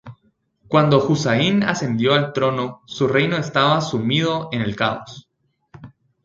Cuando Husayn ascendió al trono, su reino estaba sumido en el caos.